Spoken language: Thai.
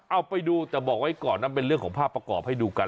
เอาไปดูแต่บอกไว้ก่อนนะเป็นเรื่องของภาพประกอบให้ดูกัน